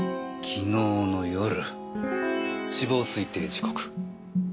昨日の夜死亡推定時刻。